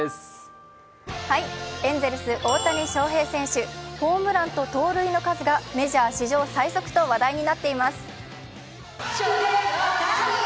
エンゼルス・大谷翔平選手ホームランと盗塁の数がメジャー史上最速と話題になっています。